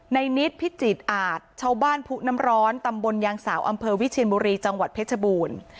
นิดพิจิตรอาจชาวบ้านผู้น้ำร้อนตำบลยางสาวอำเภอวิเชียนบุรีจังหวัดเพชรบูรณ์